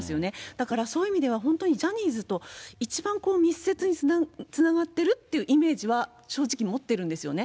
だからそういう意味では、本当にジャニーズと一番密接につながってるっていうイメージは、正直、持ってるんですよね。